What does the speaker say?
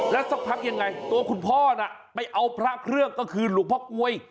แล้วสักพักยังไงตัวคุณพ่อน่ะไปเอาพระเครื่องก็คือหลวงพ่อกลวย